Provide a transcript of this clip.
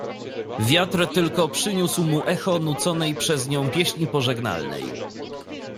"Wiatr tylko przyniósł mu echo nuconej przez nią pieśni pożegnalnej."